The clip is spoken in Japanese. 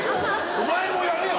お前もやれよ！